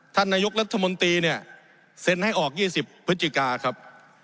ท่านนายกรัฐมนตรีเนี่ยเซ็นให้ออก๒๐พฤศจิกาครับ